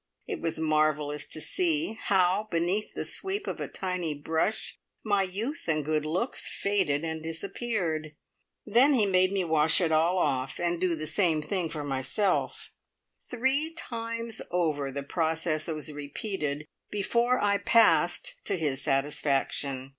It was marvellous to see how beneath the sweep of a tiny brush my youth and good looks faded and disappeared! Then he made me wash it all off, and do the same thing for myself. Three times over the process was repeated before I "passed" to his satisfaction.